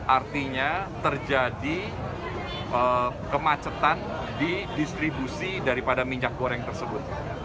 artinya terjadi kemacetan di distribusi daripada minyak goreng tersebut